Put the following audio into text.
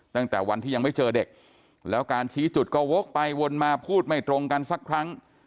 ตั้งแต่วันที่ยังไม่เจอเด็กแล้วการชี้จุดก็วกไปวนมาพูดไม่ตรงกันสักครั้ง